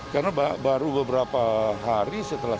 karena baru beberapa hari setelah